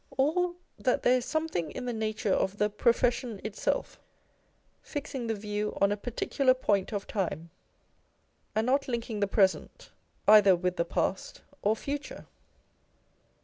Or that there is something in the nature of the profession itself, fixing the view on a particular point of time, and not linking the present either with the past or future